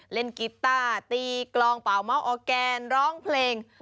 กีต้าตีกลองเป่าเม้าออร์แกนร้องเพลง